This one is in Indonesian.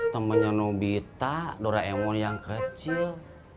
temennya nobita doraemon yang kecil